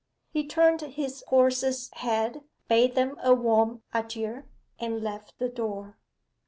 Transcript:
He turned his horse's head, bade them a warm adieu, and left the door.